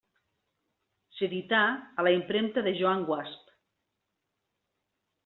S'edità a la impremta de Joan Guasp.